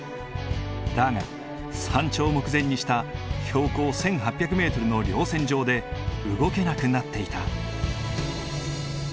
だが山頂を目前にした標高１，８００メートルの稜線上で動けなくなっていた。